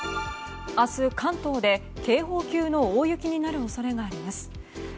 明日、関東で警報級の大雪になる恐れがあります。